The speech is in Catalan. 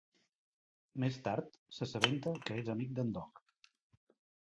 Més tard, s'assabenta que és amic d'en Doc.